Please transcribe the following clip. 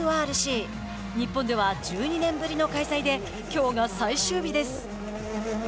日本では１２年ぶりの開催できょうが最終日です。